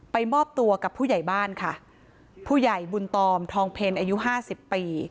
มอบตัวกับผู้ใหญ่บ้านค่ะผู้ใหญ่บุญตอมทองเพลอายุห้าสิบปี